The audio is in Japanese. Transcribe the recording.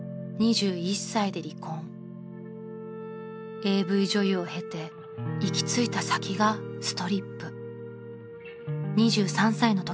［ＡＶ女優を経て行き着いた先がストリップ］